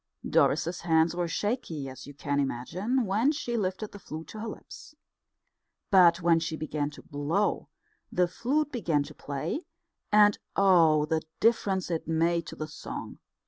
Doris's hands were shaky, as you can imagine, when she lifted the flute to her lips. But when she began to blow, the flute began to play; and oh, the difference it made to the song!